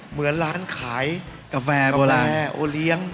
เหมือนร้านขายกาแฟโอเลียง